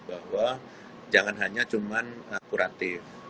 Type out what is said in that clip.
bahwa jangan hanya cuma kuratif